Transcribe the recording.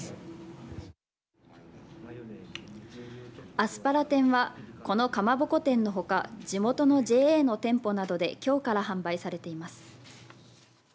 アスパラ天はこのかまぼこ店のほか地元のＪＡの店舗などできょうから販売されています。